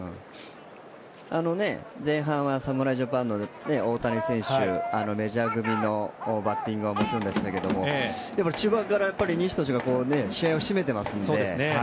前半は侍ジャパンの大谷選手メジャー組のバッティングに注目が集まりましたが中盤から西投手が試合を締めてますので。